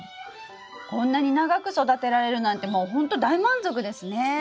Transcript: こんなに長く育てられるなんてもうほんと大満足ですね。